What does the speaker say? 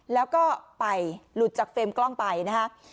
แล้วก็ไปหลุดจากเฟรมกล้องไปนะฮะ